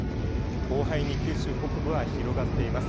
広範囲に九州北部は広がっています。